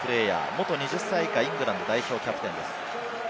元２０歳以下イングランド代表キャプテンです。